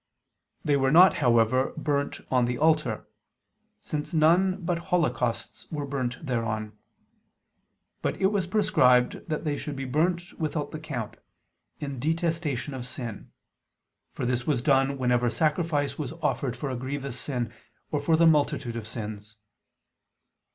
They were not, however, burnt on the altar: since none but holocausts were burnt thereon; but it was prescribed that they should be burnt without the camp, in detestation of sin: for this was done whenever sacrifice was offered for a grievous sin, or for the multitude of sins.